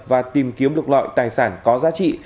và tìm kiếm được loại tài sản có giá trị